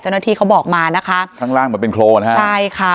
เจ้าหน้าที่เขาบอกมานะคะทั้งล่างเหมือนเป็นโคลน่ะฮะใช่ค่ะ